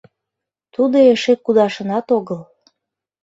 Тудо эше кудашынат огыл.